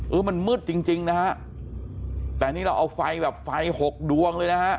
เออมันมืดจริงจริงนะฮะแต่นี่เราเอาไฟแบบไฟหกดวงเลยนะฮะ